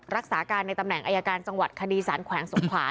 รักษาการในตำแหน่งอายการจังหวัดคดีสารแขวงสงขลา